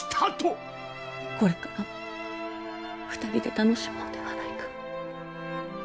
これからも２人で楽しもうではないか。